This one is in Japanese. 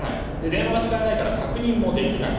電話が使えないから確認もできない。